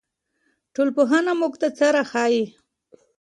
ټولنپوهنه موږ ته څه راښيي؟